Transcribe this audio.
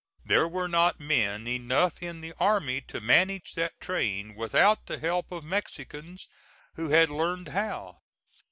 There were not men enough in the army to manage that train without the help of Mexicans who had learned how.